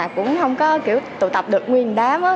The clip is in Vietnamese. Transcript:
không có kiểu tụ tập được nguyên đám